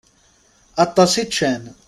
Aṭas i ččan.